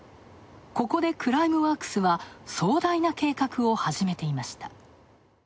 ここでクライムワークスは壮大な計画を始めていました。